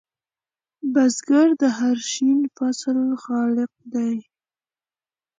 بزګر د هر شین فصل خالق دی